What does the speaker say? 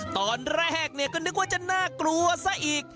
ตอนแรกก็นึกว่าจะน่ากลัวซะอีก